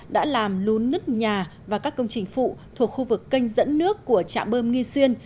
đã làm lún nứt nhà và các công trình phụ thuộc khu vực kênh dẫn nước của trạm bơm nghi xuyên